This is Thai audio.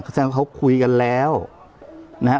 แสดงว่าเขาคุยกันแล้วนะฮะ